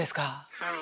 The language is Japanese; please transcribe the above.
はい。